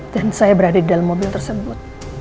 dan saya berada di dalam mobil tersebut